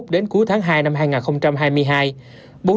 đến cuối tháng hai năm hai nghìn hai mươi hai